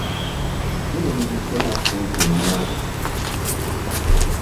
Ké-e mbi sena tuŋ ten ya.